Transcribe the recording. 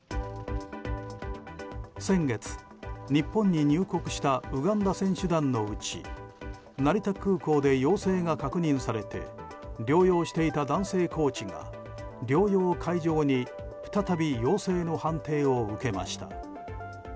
先月、日本に入国したウガンダ選手団のうち成田空港で陽性が確認されて療養していた男性コーチが療養解除後に再び、陽性の判定を受けました。